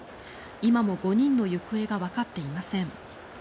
今も５人の行方がわかっていません。